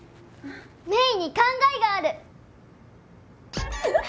芽衣に考えがある！